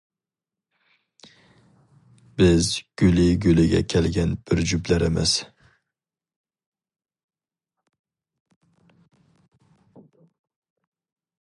بىز گۈلى گۈلىگە كەلگەن بىر جۈپلەر ئەمەس.